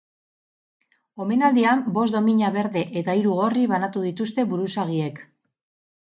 Omenaldian bost domina berde eta hiru gorri banatu dituzte buruzagiek.